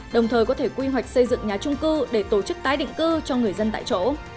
đồng thời có thể quy hoạch xây dựng nhà trung cư để tổ chức tái định cư cho người dân tại chỗ